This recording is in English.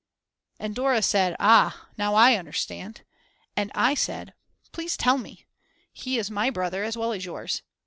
And Dora said. Ah, now I understand and I said: Please tell me, he is my brother as well as yours.